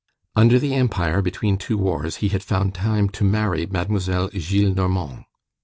Under the Empire, between two wars, he had found time to marry Mademoiselle Gillenormand.